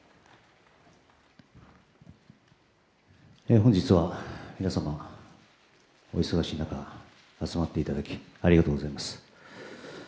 本日は皆様お忙しい中、集まっていただきありがとうございます。